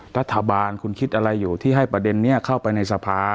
รัฐบาลคุณคิดอะไรอยู่ที่ให้ประเด็นนี้เข้าไปในสภา